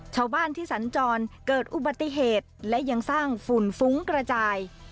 ชาวบ้านที่สัญจรเกิดอุบัติเหตุและยังสร้างฝุ่นฟุ้งกระจาย